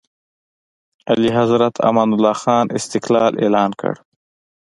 اعلیحضرت امان الله خان استقلال اعلان کړ.